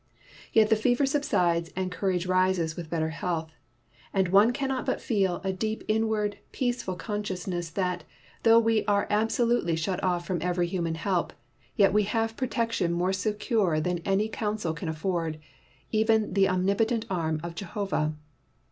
Yet the fever subsides, and courage rises with better health, and one cannot but feel a deep inward, peaceful con sciousness that, though we are absolutely 142 MUTESA AND MOHAMMEDANS shut off from every human help, yet we have protection more secure than any con sul can afford, even the omnipotent arm of Jehovah.